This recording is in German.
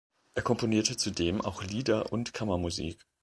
Er komponierte zudem auch Lieder und Kammermusik.